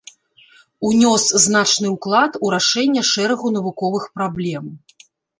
Унёс значны ўклад у рашэнне шэрагу навуковых праблем.